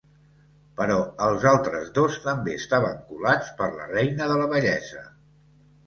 Però els altres dos també estaven colats per la reina de la bellesa.